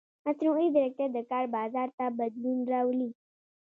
مصنوعي ځیرکتیا د کار بازار ته بدلون راولي.